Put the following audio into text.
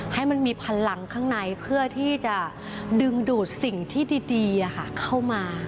ให้มันมีพลังข้างในเพื่อที่จะดึงดูดสิ่งที่ดีเข้ามา